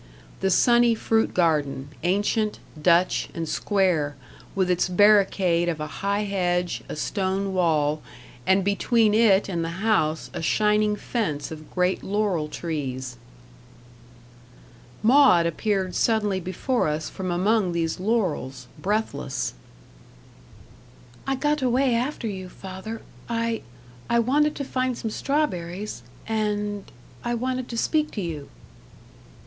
The sunny fruit garden ancient, Dutch, and square with its barricade of a high hedge, a stone wall, and between it and the house a shining fence of great laurel trees. Maud appeared suddenly before us from among these laurels, breathless. "I got away after you, father. I I wanted to find some strawberries and I wanted to speak to you."